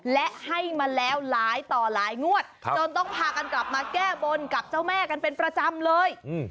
และให้มาแล้วหลายต่อหลายงวดจนต้องพากันกลับมาแก้บนกับเจ้าแม่กันเป็นประจำเลย